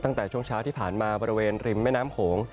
ตั้งแต่ช่วงเช้าที่ผ่านมาบริเวณริมแม่น้ำโขง